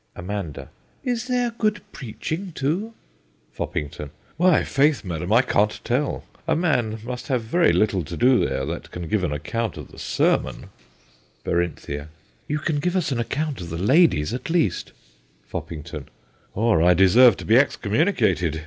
AMANDA. Is there good preaching too ? FOPPINGTON. Why, faith, madam, I can't tell. A man must have very little to do there, that can give an account of the sermon. 272 THE GHOSTS OF PICCADILLY BERINTHIA. You can give us an account of the ladies, at least. FOPPINGTON. Or I deserve to be excommunicated.